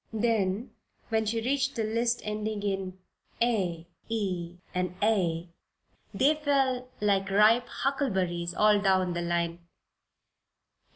Then, when she reached the list ending in "ay, ey and eigh" they fell like ripe huckleberries all down the line.